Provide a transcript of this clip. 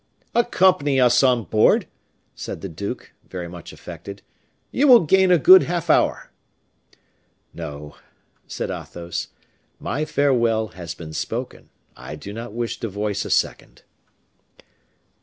"Accompany us on board," said the duke, very much affected; "you will gain a good half hour." "No," said Athos, "my farewell has been spoken, I do not wish to voice a second."